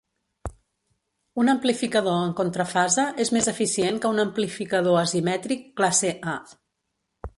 Un amplificador en contrafase és més eficient que un amplificador asimètric "classe A".